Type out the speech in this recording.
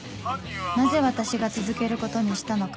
なぜ私が続けることにしたのか？